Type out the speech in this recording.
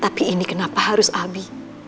tapi ini kenapa harus abi